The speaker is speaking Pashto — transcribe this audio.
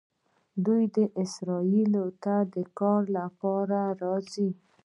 دوی اسرائیلو ته د کار لپاره راځي.